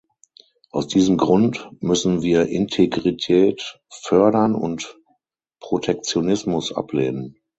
Aus diesem Grund müssen wir Integrität fördern und Protektionismus ablehnen.